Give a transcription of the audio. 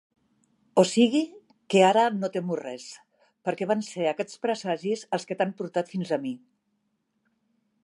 O sigui que ara no temo res, perquè van ser aquests presagis els que t'han portat fins a mi.